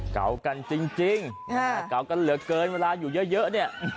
เก่ากันจริงเก่ากันเหลือเกินเวลาอยู่เยอะเนี่ย